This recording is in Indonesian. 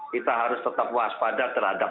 kita harus tetap waspada terhadap